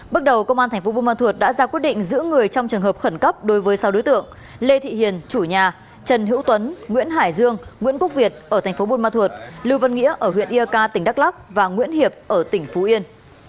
bước đầu công an tp buôn ma thuột đã ra quyết định giữ người trong trường hợp khẩn cấp đối với sau đối tượng lê thị hiền chủ nhà trần hữu tuấn nguyễn hải dương nguyễn cúc việt ở tp buôn ma thuột lưu vân nghĩa ở huyện yê ca tỉnh đắk lắc và nguyễn hiệp ở tỉnh phú yên